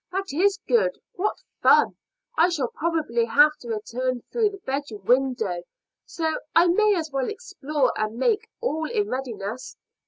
That is good. What fun! I shall probably have to return through the bedroom window, so I may as well explore and make all in readiness.